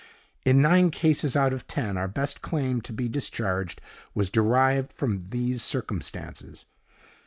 In nine cases out of ten, our best claim to be discharged was derived from these circumstances.